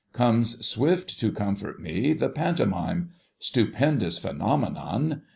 Comes swift to comfort me, the Pantomime— stupendous Phenomenon !